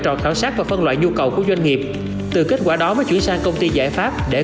giải pháp và phân loại nhu cầu của doanh nghiệp từ kết quả đó mới chuyển sang công ty giải pháp để